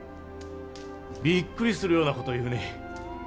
びっくりするような事を言うね。